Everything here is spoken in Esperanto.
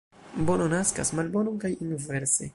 Bono naskas malbonon, kaj inverse.